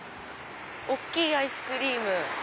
大きいアイスクリーム。